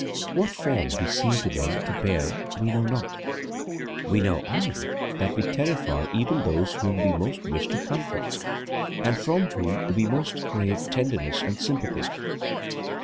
What form we seem to them to bear we know not; we know only that we terrify even those whom we most wish to comfort, and from whom we most crave tenderness and sympathy.